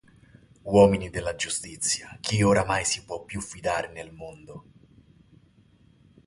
Uomini della giustizia, chi oramai si può più fidare nel mondo?